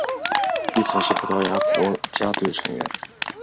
亦曾是葡萄牙国家队成员。